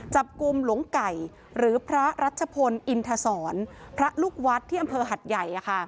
จับกลุ่มหลวงไก่หรือพระรัชพลอินทศรพระลูกวัดที่อำเภอหัดใหญ่